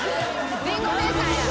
リンゴ姉さんや。